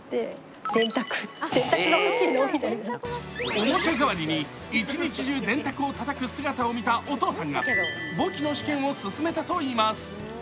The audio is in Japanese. おもちゃ代わりに一日中電卓をたたく姿を見たお父さんが、簿記の試験を勧めたといいます。